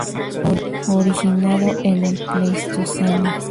Originado en el Pleistoceno.